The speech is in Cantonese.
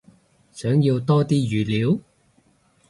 想要多啲語料？